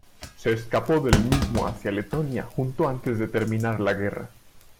Se escapó del mismo hacia Letonia justo antes de terminar la guerra.